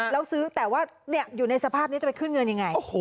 แล้วซื้อแต่ว่าอยู่ในสภาพนี้จะไปขึ้นเงินยังไง